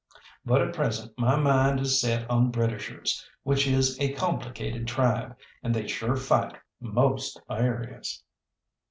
But at present my mind is set on Britishers, which is a complicated tribe, and they sure fight most various.